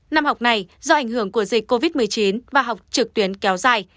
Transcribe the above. năm học này do ảnh hưởng của dịch covid một mươi chín và học trực tuyến kéo dài